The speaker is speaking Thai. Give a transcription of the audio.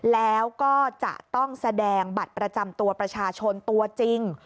แล้วก็จะต้องแสดงบัตรประจำตัวประชาชนตัวจริง